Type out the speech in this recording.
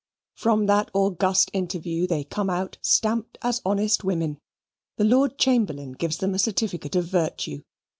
From that august interview they come out stamped as honest women. The Lord Chamberlain gives them a certificate of virtue.